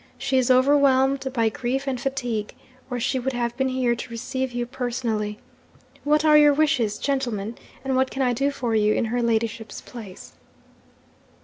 "She is overwhelmed by grief and fatigue or she would have been here to receive you personally. What are your wishes, gentlemen? and what can I do for you in her ladyship's place?"